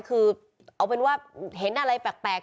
คือเอาเป็นว่าเห็นอะไรแปลก